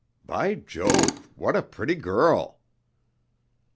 By Jove! what a pretty girl!"